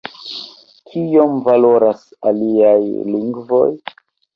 Kiom valoras “aliaj lingvoj?